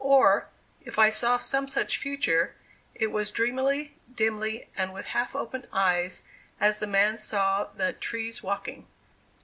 Or, if I saw some such future, it was dreamily, dimly, and with half opened eyes, as the man saw the "trees walking."